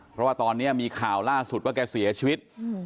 เพราะว่าตอนนี้มีข่าวล่าสุดว่าแกเสียชีวิต